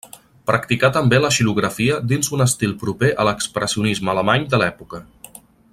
Practicà també la xilografia dins un estil proper a l'expressionisme alemany de l'època.